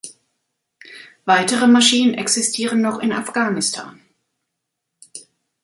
Weitere Maschinen existieren noch in Afghanistan.